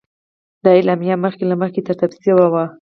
دا اعلامیه مخکې له مخکې ترتیب شوې وه.